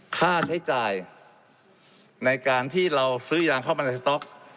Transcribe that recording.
ค่าใช้จ่ายในการที่เราซื้อยางเข้ามาในสต๊อก